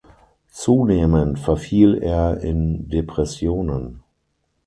Zunehmend verfiel er in Depressionen.